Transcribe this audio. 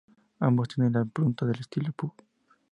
Ambos tienen la impronta del estilo Puuc.